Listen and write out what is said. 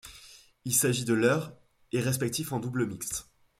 Il s'agit de leur et respectif en double mixte.